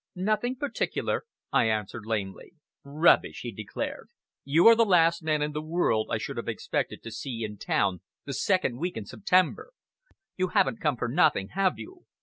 "Nothing particular," I answered lamely. "Rubbish!" he declared, "you are the last man in the world I should have expected to see in town the second week in September! You haven't come for nothing, have you?